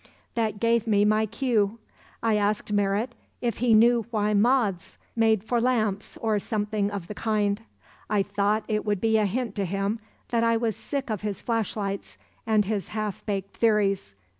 That gave me my cue; I asked Merritt if he knew why moths made for lamps or something of the kind; I thought it would be a hint to him that I was sick of his flashlights and his half baked theories.